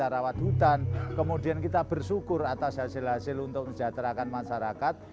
rawat hutan kemudian kita bersyukur atas hasil hasil untuk menjajahterakan masyarakat